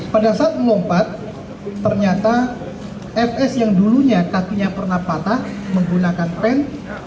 pada saat melompat ternyata fs yang dulunya kakinya pernah patah menggunakan pen